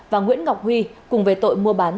và nguyễn ngọc huy cùng về tội mua bán